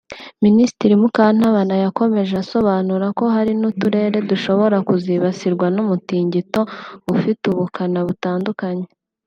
Mininisitiri Mukantabana yakomeje asobanura ko hari n’uturere dushobora kuzibasirwa n’umutungito ufite ubukana butandukanye